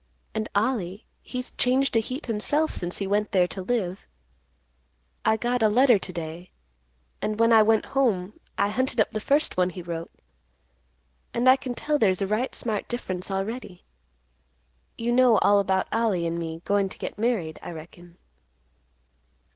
"And Ollie he's changed a heap himself since he went there to live. I got a letter to day, and, when I went home, I hunted up the first one he wrote, and I can tell there's a right smart difference already. You know all about Ollie and me goin' to get married, I reckon?"